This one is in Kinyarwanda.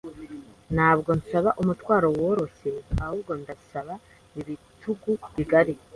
Ntabwo nsaba umutwaro woroshye, ahubwo ndasaba ibitugu bigari.